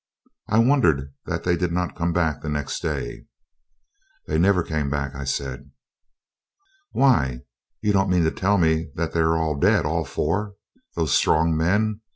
I wondered that they did not come back next day.' 'They never came back,' I said. 'Why, you don't mean to tell me that they are all dead, all four? those strong men!